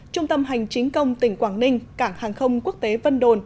trung tâm hành chính công tỉnh quảng ninh cảng hàng không quốc tế vân đồn